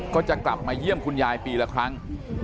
ก็จะกลับมาเยี่ยมคุณยายปีละครั้ง